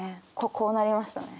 こうなりましたね。